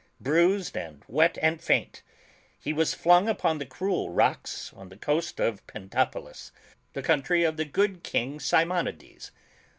Bruised and wet and faint, he was flung upon the cruel rocks on the coast of Pentapolis, the country of the good King Simonides.